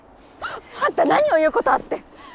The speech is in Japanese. あんた何を言うことあって。